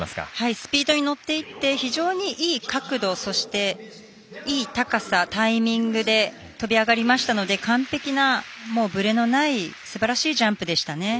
スピードに乗っていって非常にいい角度そして、いい高さ、タイミングで跳び上がりましたので完璧なぶれのないすばらしいジャンプでしたね。